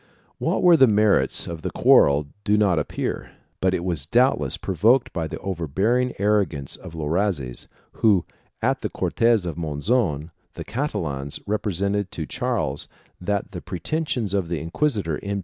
3 What were the merits of the quarrel do not appear, but it was doubtless provoked by the overbearing arrogance of Loazes for, at the Cortes of Monzon, the Catalans represented to Charles that the pretensions of the inquisitor impeded the 1 Dormer, Anales, Lib. i, cap.